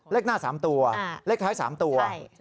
เลขหน้า๓ตัวเลขท้าย๓ตัว